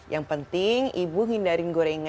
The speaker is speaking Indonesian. yang penting ibu hindari gorengan